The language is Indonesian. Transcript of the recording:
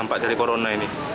dampak dari corona ini